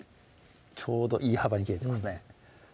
ちょうどいい幅に切れてますね